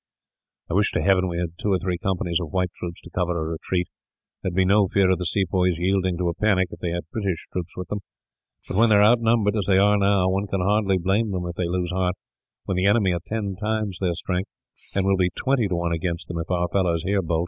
"I wish to Heaven we had two or three companies of white troops, to cover a retreat. There would be no fear of the sepoys yielding to a panic, if they had British troops with them; but when they are outnumbered, as they are now, one can hardly blame them if they lose heart, when the enemy are ten times their strength, and will be twenty to one against them, if our fellows here bolt."